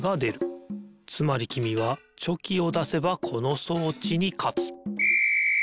つまりきみはチョキをだせばこの装置にかつピッ！